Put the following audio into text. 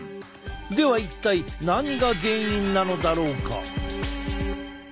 では一体何が原因なのだろうか？